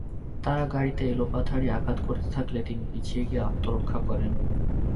তারা গাড়িতে এলোপাতাড়ি আঘাত করতে থাকলে তিনি পিছিয়ে গিয়ে আত্মরক্ষা করেন।